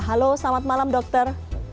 halo selamat malam dokter